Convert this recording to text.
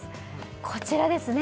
こちらですね